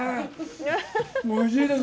おいしいです。